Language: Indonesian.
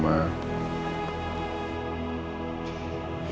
maka aku akan berhenti